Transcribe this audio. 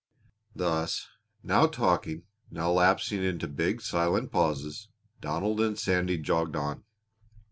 Thus now talking, now lapsing into big, silent pauses, Donald and Sandy jogged on.